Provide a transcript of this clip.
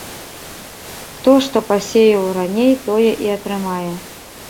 Хто што пасеяў раней, тое і атрымае.